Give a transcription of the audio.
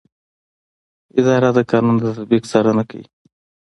اداره د قانون د تطبیق څارنه کوي.